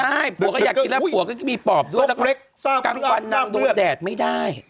ใช่ผัวก็อยากกินแล้วผัวก็จะมีปอบด้วยแล้วก็กลางวันนางโดนแดดไม่ได้